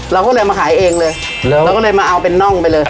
เราก็เลยมาขายเองเลยเราก็เลยมาเอาเป็นน่องไปเลย